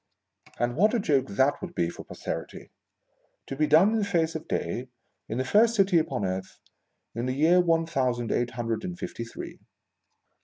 And what a joke that would be for Posterity ! To be done in the face of day, in the first city upon earth, in. the year one thousand eight hundred and fifty three